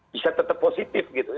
bisa tetap positif gitu